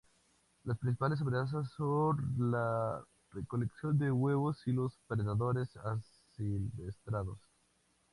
Las principales amenazas son la recolección de huevos y los predadores asilvestrados.